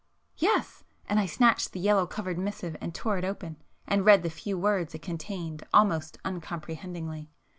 "Yes." And I snatched the yellow covered missive and tore it open,—and read the few words it contained almost uncomprehendingly.